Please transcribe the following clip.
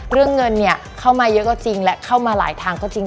เรื่องเงินเนี่ยเข้ามาเยอะก็จริงและเข้ามาหลายทางก็จริง